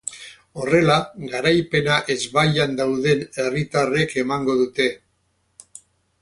Horrela, garaipena ezbaian dauden herritarrek emango dute.